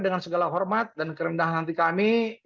dengan segala hormat dan kerendahan nanti kami